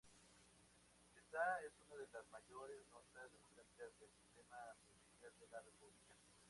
Esta es una de las mayores notas democráticas del sistema judicial de la República.